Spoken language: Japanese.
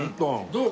どう？